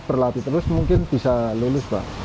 berlatih terus mungkin bisa lulus